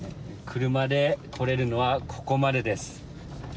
車で来れるのはここまでです。